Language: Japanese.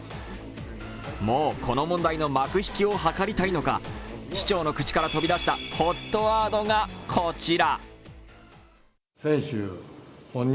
もうこの問題の幕引きを図りたいのか市長の口から飛び出したＨＯＴワードがこちら。